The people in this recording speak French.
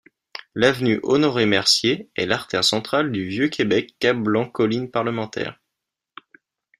L'avenue Honoré-Mercier est l'artère centrale du Vieux-Québec–Cap-Blanc–colline Parlementaire.